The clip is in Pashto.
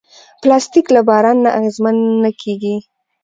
پلاستيک له باران نه اغېزمن نه کېږي.